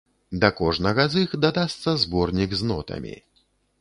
Да кожнага з іх дадасца зборнік з нотамі.